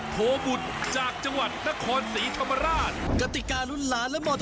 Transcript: ถ้าช่วยของกฏรที่จะเป็น